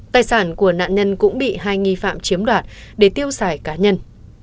tài sản của nạn nhân cũng bị hai nghi phạm chiếm đoạt để tiêu xài cá nhân